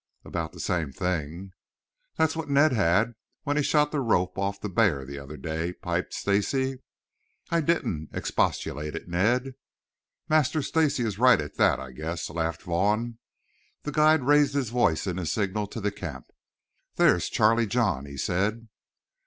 "About the same thing." "That's what Ned had when he shot the rope off the bear the other day," piped Stacy. "I didn't," expostulated Ned. "Master Stacy is right at that, I guess," laughed Vaughn. The guide raised his voice in a signal to the camp. "There is Charlie John," he said.